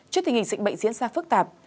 trước tình hình dịch bệnh diễn ra phức tạp